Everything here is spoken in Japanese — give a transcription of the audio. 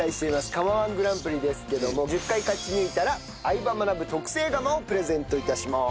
釜−１グランプリですけども１０回勝ち抜いたら『相葉マナブ』特製釜をプレゼント致します。